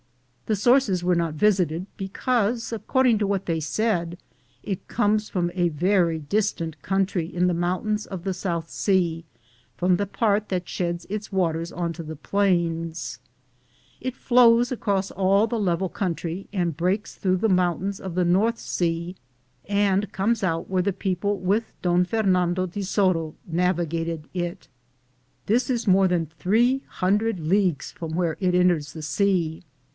The sources were not visited, because, ac cording to what they said, it comes from a very distant country in the mountains of the 1 The Mississippi and Missouri rivers. .Google THE JOURNEY OF CORONADO South sea, from the part that sheds its waters onto the plains. It flows across all the level country and breaks through the mountains of the North sea, and comes out where the people with Con Fernando de Soto navigated it. This is more than 300 leagues from where it enters the sea.